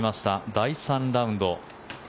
第３ラウンド。